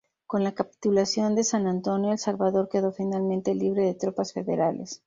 Con la capitulación de San Antonio, El Salvador quedó finalmente libre de tropas federales.